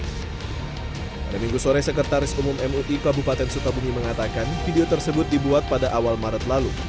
pada minggu sore sekretaris umum mui kabupaten sukabumi mengatakan video tersebut dibuat pada awal maret lalu